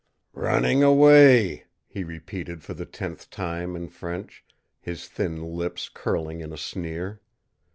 "Running away!" he repeated for the tenth time in French, his thin lips curling in a sneer.